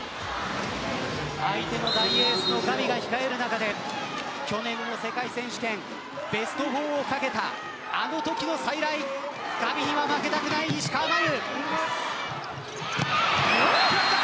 相手の大エースのガビが控える中で去年の世界選手権ベスト４を懸けたあのときの再来ガビには負けたくない石川真佑。